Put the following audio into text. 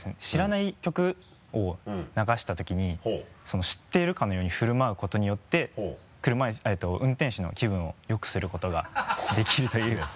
知らない曲を流した時に知っているかのように振る舞うことによって運転手の気分をよくすることができるという